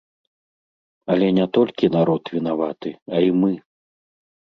Але не толькі народ вінаваты, а і мы.